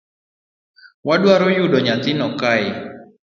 Wadwaro yudo nyathino kae